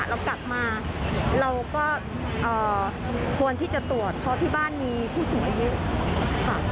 แล้วกลับมาเราก็ควรที่จะตรวจเพราะที่บ้านมีผู้สูญฮิต